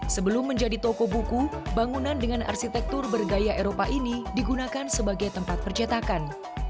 sebelum menjadi toko buku bangunan dengan arsitektur bergaya eropa ini digunakan sebagai tempat percetakan